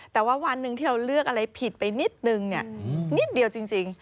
แต่ว่าวันหนึ่งที่เราเลือกอะไรผิดไปนิดนึงนิดเดียวจริง